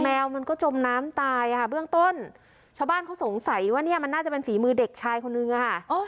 แมวมันก็จมน้ำตายอ่ะค่ะเบื้องต้นชาวบ้านเขาสงสัยว่าเนี่ยมันน่าจะเป็นฝีมือเด็กชายคนนึงอะค่ะ